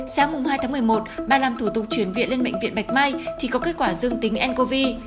sáng hai tháng một mươi một bà làm thủ tục chuyển viện lên bệnh viện bạch mai thì có kết quả dương tính ncov